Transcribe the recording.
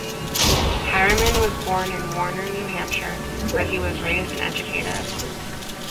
Harriman was born in Warner, New Hampshire, where he was raised and educated.